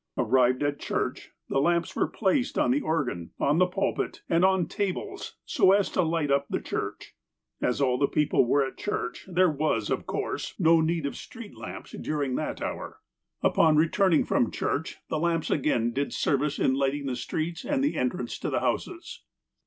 Arrived at church, the lamps were placed on the organ, on the pulpit, and on tables so as to light up the church. As all the people were at church, there was, of course, no need of street 240 THE APOSTLE OF ALASKA lamps during that hour. Upon returning from church, the lamps again did service in lighting the streets and the entrance to the houses.